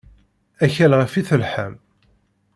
Akal ɣef i telḥam.